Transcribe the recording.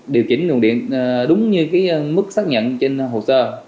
điều chỉnh nguồn điện đúng như mức xác nhận trên hồ sơ